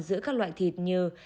giữa các loại thịt như